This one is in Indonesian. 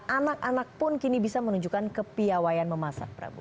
anak anak pun kini bisa menunjukkan kepiawayaan memasak prabowo